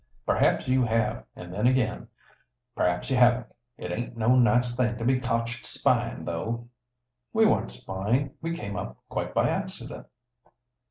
"Perhaps you have, and then again, perhaps you haven't. It aint no nice thing to be cotched spying, though." "We weren't spying. We came up quite by accident."